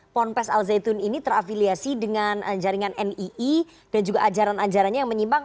ponpes al zaitun ini terafiliasi dengan jaringan nii dan juga ajaran ajarannya yang menyimbang